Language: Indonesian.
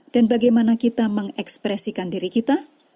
dan bagaimana kita mengekspresikan diri kita